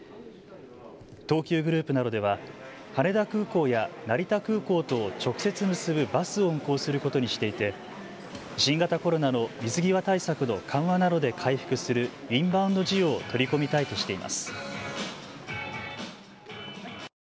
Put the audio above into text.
東急グループなどでは羽田空港や成田空港とを直接結ぶバスを運行することにしていて新型コロナの水際対策の緩和などで回復するインバウンド需要を取り込みたいとしています。